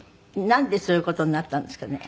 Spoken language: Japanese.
なんでそういう事になったんですかね？